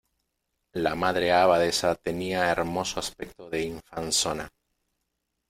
la Madre Abadesa tenía hermoso aspecto de infanzona: